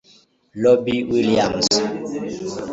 robbie williams